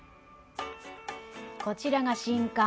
こちらが新館。